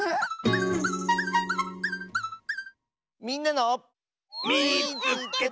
「みんなの」。